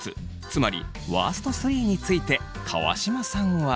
つまりワースト３について川島さんは。